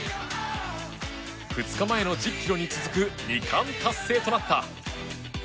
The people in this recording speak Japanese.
２日前の１０ｋｍに続く２冠達成となった。